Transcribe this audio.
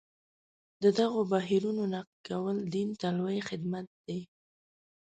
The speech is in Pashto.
د دغو بهیرونو نقد کول دین ته لوی خدمت دی.